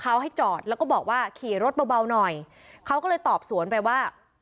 เขาให้จอดแล้วก็บอกว่าขี่รถเบาหน่อยเขาก็เลยตอบสวนไปว่า